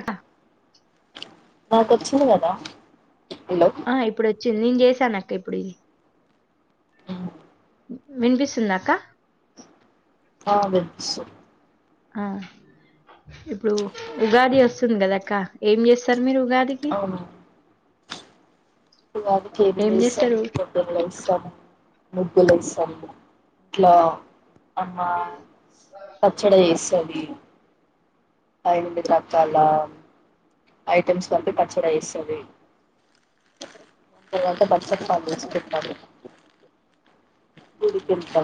అట్ల నాకొచ్చింది కదా హలో ఆ ఇప్పుడు వచ్చింది నేను చేసాను అక్క ఇప్పుడు ఇది వినిపిస్తుందా అక్క ఆ వినిపిస్తుంది ఆ ఇప్పుడు ఉగాది వస్తుంది కదక్క ఏం చేస్తారు మీరు ఉగాదికి ఉగాదికి [inaudible] ఏం చేస్తారు ముగ్గులు వేస్తాము [inaudible] అమ్మా పచ్చడి చేస్తాం మేము [unintelligible] రకాల ఐటమ్స్ కంటే పచ్చడి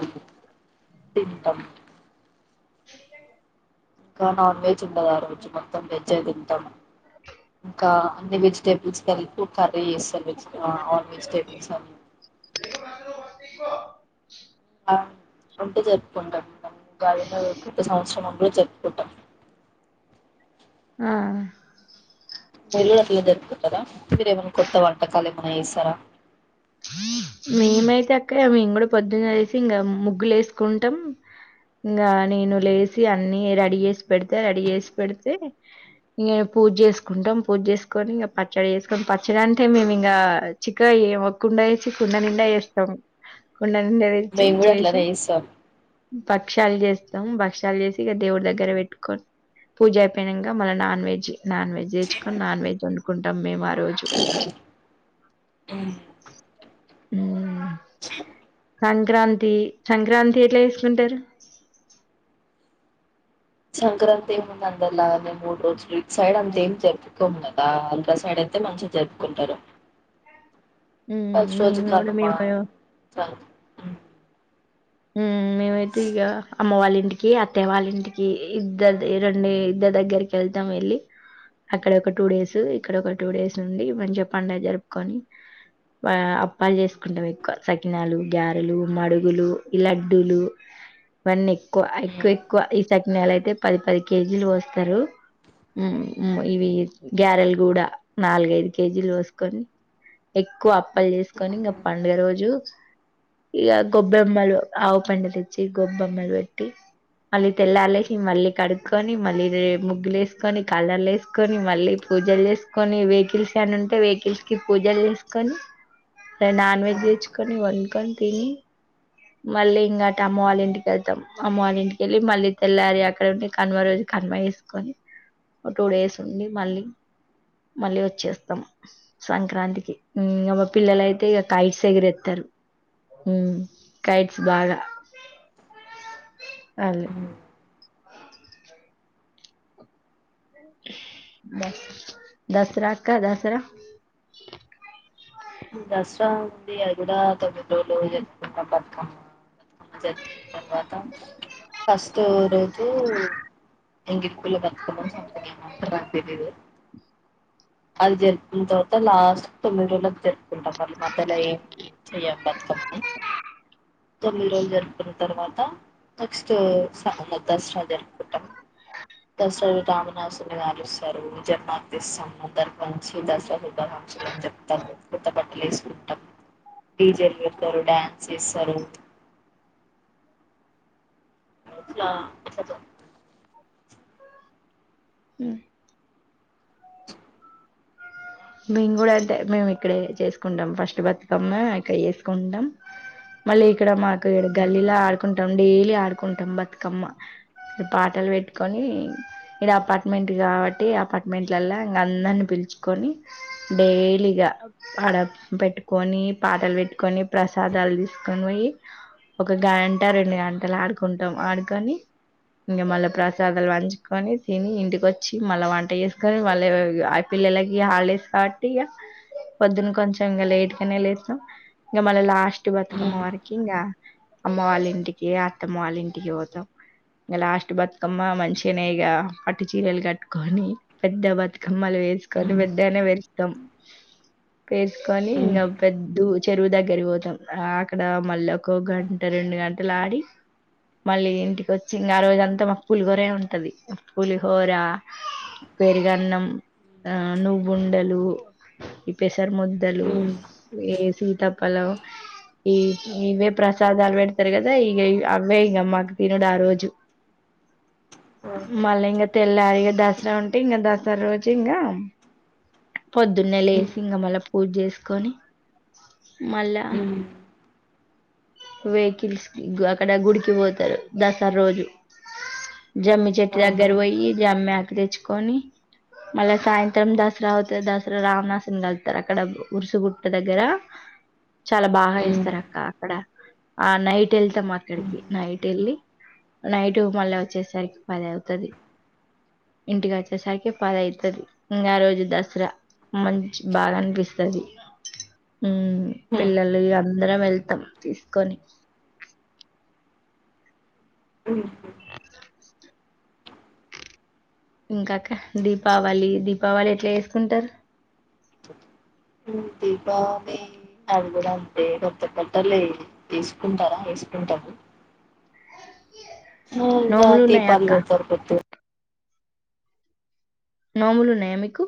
[unintelligible] [inaudible] [inaudible] తింటాం ఇంకా నాన్ వెజ్ ఉండదు ఆ రోజు. మొత్తం వెజ్జె తింటాం. ఇంకా, అన్ని వెజిటబుల్స్ కలిపు కర్రీ చేస్తాం. అంతే జరుపుకుంటాం. మళ్ళీ ఉగాదిను కొత్త సంవత్సరం ఉ జరుపుకుంటాం. ఆ మీరు కూడా అట్లనే జరుపుకుంటారా, మీరేమైనా కొత్త వంటకాలు ఏమన్న చేస్తారా? మేమైతే అక్క మేము కూడా పొద్దున్న లేసి ఇంక ముగ్గులేసుకుంటాం. ఇంగ నేను లేసి అన్ని రెడీ చేసి పెడితే, రెడీ చేసి పెడితే, ఇంగ పూజ చేసుకుంటాం. పూజ చేసుకొని ఇంగ పచ్చడి చేసుకొని, పచ్చడంటే మేమింగ చిక్కగ చెయ్యము కుండ తెచ్చి, కుండ నిండా చేస్తాం. కుండ పుండ తెచ్చి, మేము కూడా చేసి, అట్లనే చేస్తాం ప భక్ష్యాలు చేస్తాం. భక్షాలు చేసి ఇగ దేవుడి దగ్గర పెట్టుకోని పూజ అయిపోయినంక మళ్ళ నాన్ వెజ్. నాన్ వెజ్ తెచ్చుకొని, నాన్ వెజ్ వండుకుంటాం మేము ఆ రోజు. మ్ మ్ సంక్రాంతి, సంక్రాంతి ఎట్ల చేసుకుంటారు? సంక్రాంతి ఏముందండి అలా మేం మూడు రోజులు, ఇటు సైడ్ అంతేం జరుపుకోము కదా ఆంధ్రా సైడ్ అయితె మంచిగ జరుపుకుంటారు. మ్మ్ ఫస్ట్ రోజు మేము కూడా కనుమ, మేము సన్ మ్ మేమైతే ఇగ అమ్మ వాళ్ళింటికి, అత్తయ వాళ్ళింటికి, ఇద్దరది రొండి ఇద్దరిదగ్గరికి వెళ్తాం. వెళ్ళి అక్కడ ఒక టూ డేస్, ఇక్కడ ఒక టూ డేస్ ఉండి మంచిగ పండుగ జరుపుకొని, వా అప్పాలు చేసుకుంటాం ఎక్కువ. సకినాలు గారెలు, మడుగులు. ఈ లడ్డూలు ఇవన్నీ ఎక్కువ, ఉమ్, ఎక్కువెక్కువ. ఈ సక్ నెలయితే పది పది కేజీలు పోస్తారు. మ్. మ్. ఇవి గ్యారెల్ గూడ, నాలుగైదు కేజీలు పోసుకొని, ఎక్కువ అప్పల్ చేసుకొని, ఇంగ పండుగ రోజు ఇగ గొబ్బెమ్మలు. ఆవు పెండ తెచ్చి, గొబ్బమ్మలు పెట్టి, మళ్ళీ తెల్లార్ లేసి, మళ్ళీ కడుక్కొని, మళ్ళీ రే ముగ్గులేసుకొని, కలర్లేసుకొని, మళ్ళీ పూజలు చేసుకొని, వెహికల్స్ ఏన్న ఉంటె వెహికల్స్ కి పూజలు చేసుకొని, ఎ నాన్ వెజ్ తెచ్చుకొని, వండుకొని తిని మళ్ళీ ఇంకటు అమ్మ వాళ్ళ ఇంటికెళ్తాం. అమ్మ వాళ్ళ ఇంటికెళ్ళి మళ్ళీ తెల్లారి అక్కడ ఉండి, కనుమ రోజు కనుమ చేసుకొని, ఒ టూ డేస్ ఉండి మళ్ళీ మళ్ళీ వచ్చేస్తామ్ సంక్రాంతికి. మ్ ఇంగ మా పిల్లలయితే ఇగ కైట్స్ ఎగరేత్తారు. మ్ కైట్స్ బాగ అదే. ఉమ్. దసరాక్క, దసరా? ఆ దసరా ఉంది. అదిడ తొమ్మిది రోజులు జరుపుకుంటాం. బతుకమ్మ అది జరిగిన తర్వాత, ఫస్ట్ రోజు ఇంగ ఇక్కల బతుకమ్మ [unintelligible] నాకు తెలీదు. అది జరుపుకున్న తర్వాత, లాస్ట్ కి తొమ్మిది రోజ్లకి జరుప్ కుంటాం మళ్ళ మధ్యలో ఏం చెయ్యం. బతుకమ్మని. తొమ్మిది రోజులు జరుపుకున్న తర్వాత, నెక్స్ట్ స దసరా జరుపుకుంటాం. దసరా రావణాసురుని కాలుస్తారు. జన్మార్తిస్తాము దాంట్లో నుంచి దసరా పు క్ష [unintelligible] చెప్పతాము కొత్త బట్టలేసుకుంటాం డిజే లు పెడతారు డ్యాన్స్ వేస్తారు ఆ ఎందుకిల మ్మ్ మేము కూడా అంతే మేము ఇక్కడే చేసుకుంటాం ఫస్ట్ బతుకమ్మ ఇక్కడ చేసుకుంటాం మళ్ళీ ఇక్కడ మాకు గల్లీలో ఆడుకుంటాం డైలీ ఆడుకుంటాం బతుకమ్మ పాటలు పెట్టుకొని ఇడ అపార్ట్మెంట్ కాబట్టి అపార్ట్మెంట్లల్లొ ఇంకా అందరిని పిలు పిలుచుకొని డైలీగా అడ పెట్టుకొని పాటలు పెట్టుకొని ప్రసాదాలు తీసు కని పోయి ఒక గంట రెండు గంటలు ఆడుకుంటాం ఆడుకొని ఇంకా మళ్ళా ప్రసాదాలు పంచుకొని తిని ఇంటిక వచ్చి మళ్ళా వంట చేసుకొని మళ్ళా పిల్లలకి హాలీడేస్ కాబట్టి ఇగ పొద్దున్న కొంచెం ఇంకా లేట్గానే లేస్తాం ఇంకా మళ్ళీ లాస్ట్ బతుకమ్మ ఉమ్, వరకి ఇంకా అమ్మ వాళ్ళ ఇంటికి అత్తమ్మ వాళ్ళ ఇంటికి పోతాం ఇంకా లాస్ట్ బతుకమ్మ మంచిగానే ఇక పట్టు చీరలు కట్టుకొని కుండా పట్టుకొని మళ్ళా వేసుకొని ఉమ్, వడ్డనం వేస్తాం వేసుకొని ఉమ్, ఇంకా ఆ పొద్దు చెరువు దగ్గరి పోతాం అక్కడ మళ్ళీ ఒక గంట రెండు గంటలు ఆడి మళ్ళీ ఇంటికి వచ్చిన ఆ రోజు అంతా మాకు పులిహోరే ఉంటాది పులిహోర పెరుగ అన్నం ఆ నువ్వు ఉండదు ఈ పెసర్ ఉమ్, ముద్దలు ఉమ్, ఈ సీత ఫలం ఇవే ప్రసాదాలు పెడతారు కదా ఇవే అవే ఇక మాకు తినుడు ఆ రోజు ఆ మళ్ళ ఉమ్, ఇంకా తెల్లారు ఇ దసరా ఉంటే ఇంకా దసరా రోజు ఇంకా పొద్దున్నే ఉమ్, లేసి ఇంకా మళ్ళా పూజ చేసుకొని మళ్ళా ఉమ్, వెహికల్స్ కి అక్కడ గుడికి పోతారు దసరా రోజు ఆ జమ్మి చెట్టు దగ్గర ఉమ్. పోయి జమ్మి ఆకు తెచ్చుకొని మళ్ళ సాయంత్రం దసరా దసరా రామనాసురున్ని కలుత్తారు అక్కడ ఉరుసుగుట్ట దగ్గర చాలా బాగా చేస్తారు అక్క అక్కడ ఆ నైట్ వెళ్తాం అక్కడికి నైట్ వెళ్ళి నైట్ మళ్ళా వచ్చేసరికి పది అవుతాది ఇంటికి వచ్చేసరికి పది అయితాది ఇంకా ఆ రోజు ద సార మంచి బాగా అనిపిస్తాది పిల్లలు ఇగ అందరం వెళ్తాం తీసుకొని ఉన ఇంకా అక్క దీపావళి దీపావళి ఎట్లా చేసుకుంటారు దీపావళి అది కూడా అంతే కొత్త బట్టలు తీసుకుంటారా వేసుకుంటాము వద్దు ఉను రా దీపాలు పెడతారు అపొద్దు నోములు ఉన్నాయ మీకు